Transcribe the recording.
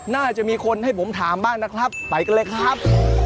น่าจะมีคนให้ผมถามบ้างนะครับไปกันเลยครับ